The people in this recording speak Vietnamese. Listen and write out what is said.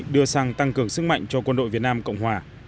đưa sang tăng cường sức mạnh cho quân đội việt nam cộng hòa